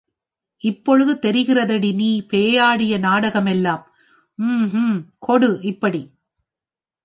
இப்பொழுது தெரிகிறதடி நீ பேயாடிய நாடகமெல்லாம், ஹும் கொடு இப்படி.